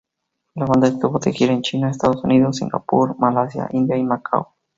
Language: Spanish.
La banda estuvo de gira en China, Estados Unidos, Singapur, Malasia, India y Macao.